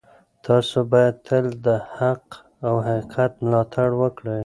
تاسو باید تل د حق او حقیقت ملاتړ وکړئ.